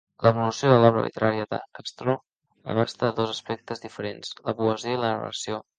L'evolució de l'obra literària de Castro abasta dos aspectes diferents: la poesia i la narració.